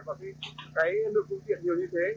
và cái nước công tiện nhiều như thế